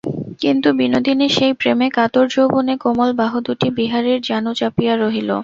কিন্তু বিনোদিনীর সেই প্রেমে-কাতর যৌবনে-কোমল বাহুদুটি বিহারীর জানু চাপিয়া রহিল।